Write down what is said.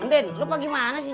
andin lu bagaimana sih